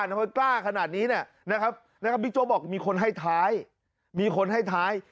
ทำไมกล้าขนาดนี้เนี่ยนะครับบิ๊กโจ๊กบอกมีคนให้ท้ายมีคนให้ท้าย